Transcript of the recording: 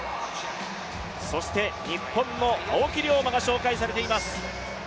日本の青木涼真が紹介されています。